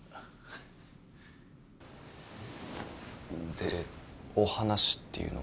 でお話っていうのは？